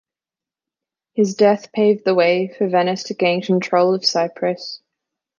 His death paved the way for Venice to gain control of Cyprus.